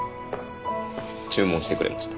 注文してくれました。